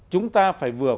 chúng ta phải vừa